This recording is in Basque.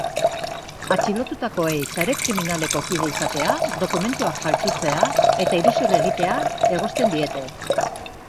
Atxilotutakoei sare kriminaleko kide izatea, dokumentuak faltsutzea eta iruzur egitea egozten diete.